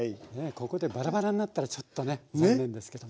ここでバラバラになったらちょっとね残念ですけども。